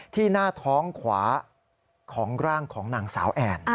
หน้าท้องขวาของร่างของนางสาวแอน